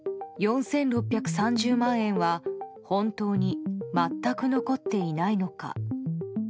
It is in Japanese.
４６３０万円は本当に全く残っていないのか。